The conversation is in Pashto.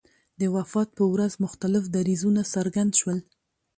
د وفات په ورځ مختلف دریځونه څرګند شول.